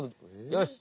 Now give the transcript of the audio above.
よし！